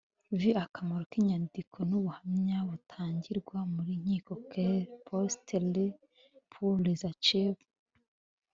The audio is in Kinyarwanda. v akamaro k inyandiko n ubuhamya butangirwa mu nkiko quelle post rit pour les archives